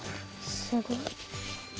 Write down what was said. すごい。